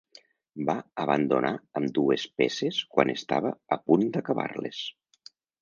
Va abandonar ambdues peces quan estava a punt d'acabar-les.